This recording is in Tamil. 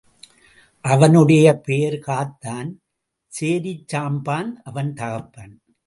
அவனுடைய பெயர் காத்தான் சேரிச் சாம்பான் அவன் தகப்பன்.